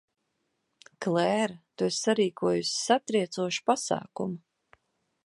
Klēra, tu esi sarīkojusi satriecošu pasākumu.